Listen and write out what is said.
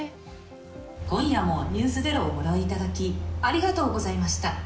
今夜もｎｅｗｓｚｅｒｏをご覧いただき、ありがとうございました。